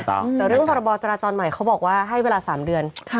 แต่เรื่องพรบจราจรใหม่เขาบอกว่าให้เวลา๓เดือน